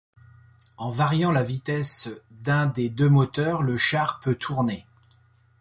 En variant la vitesse d'un des deux moteurs, le char peut tourner.